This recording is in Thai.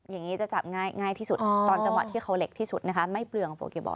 อย่างนี้จะจับง่ายที่สุดตอนจังหวะที่เขาเหล็กที่สุดนะคะไม่เปลืองโปเกมอ